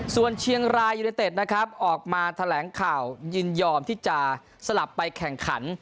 ส่วนเชียงรายยูเนเต็ดนะครับออกมาแถลงข่าวยินยอมที่จะสลับไปแข่งขัน